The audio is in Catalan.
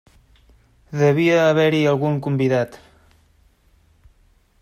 Devia haver-hi algun convidat.